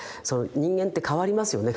人間って変わりますよね